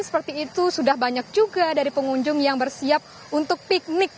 seperti itu sudah banyak juga dari pengunjung yang bersiap untuk piknik